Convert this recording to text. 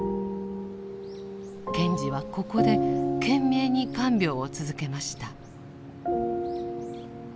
賢治はここで懸命に看病を続けました。